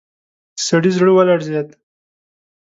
د سړي زړه ولړزېد.